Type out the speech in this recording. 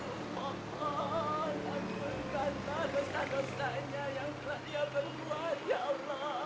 anggurkanlah dosa dosanya yang beliau berbuat ya allah